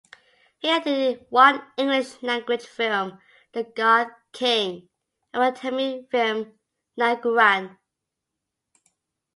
He acted in one English-language film, "The God King", and one Tamil film, "Nanguran".